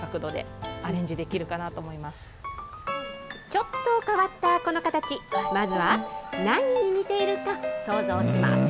ちょっと変わったこの形、まずは、何に似ているか、想像します。